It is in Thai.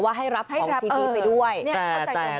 ว่าให้รับของชีวิตไปด้วย